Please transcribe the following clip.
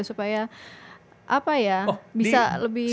supaya apa ya bisa lebih